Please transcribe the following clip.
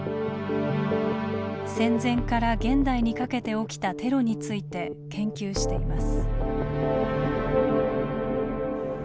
戦前から現代にかけて起きたテロについて研究しています。